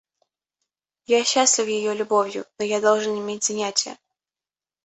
Я счастлив ее любовью, но я должен иметь занятия.